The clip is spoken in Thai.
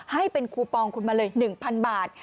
ให้เป็นคูปองคุณมาเลย๑๐๐บาท